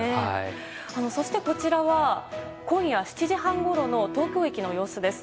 そして今夜７時半ごろの東京駅の様子です。